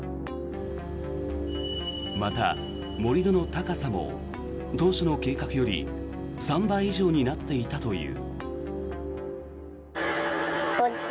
また、盛り土の高さも当初の計画より３倍以上になっていたという。